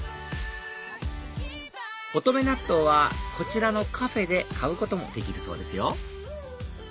おとめ納豆はこちらのカフェで買うこともできるそうですよ